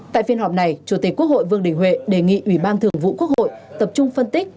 tại phiên họp này chủ tịch quốc hội vương đình huệ đề nghị ubthq tập trung phân tích